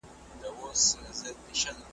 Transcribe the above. که دا مېنه د « امان » وه د تیارو لمن ټولیږي ,